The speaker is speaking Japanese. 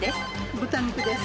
豚肉です。